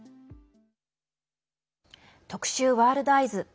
特集「ワールドＥＹＥＳ」。